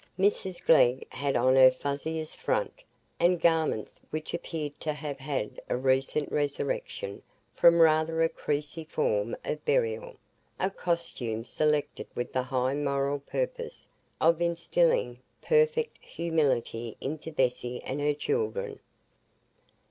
Mrs Glegg had on her fuzziest front, and garments which appeared to have had a recent resurrection from rather a creasy form of burial; a costume selected with the high moral purpose of instilling perfect humility into Bessy and her children.